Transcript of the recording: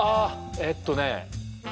えっとね